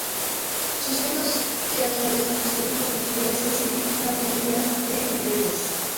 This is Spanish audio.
Sus temas teatrales son: históricos, religiosos y la comedia de enredos.